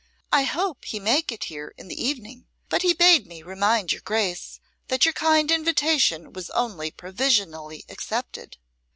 'I hope he may get here in the evening: but he bade me remind your Grace that your kind invitation was only provisionally accepted.